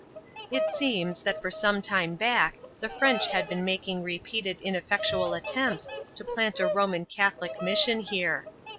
It seems, that for some time back the French had been making repeated ineffectual attempts to plant a Roman Catholic mission here.